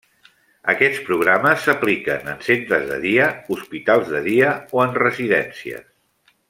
Aquests programes s’apliquen en centres de dia, hospitals de dia o en residències.